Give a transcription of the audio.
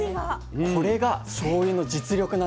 これがしょうゆの実力なんです。